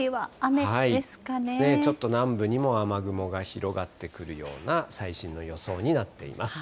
ですね、ちょっと南部にも雨雲が広がってくるような、最新の予想になっています。